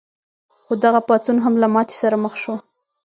خو دغه پاڅون هم له ماتې سره مخ شو.